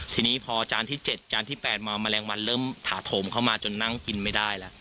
ทีนี้พอจานที่๗จานที่๘มาแมลงวันเริ่มถาโถมเข้ามาจนนั่งกินไม่ได้แล้ว